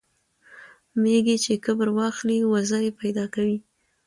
ـ ميږى چې کبر واخلي وزرې پېدا کوي.